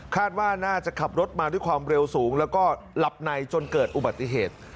ว่าน่าจะขับรถมาด้วยความเร็วสูงแล้วก็หลับในจนเกิดอุบัติเหตุ